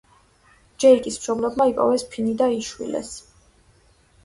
ჯეიკის მშობლებმა იპოვეს ფინი, და იშვილეს.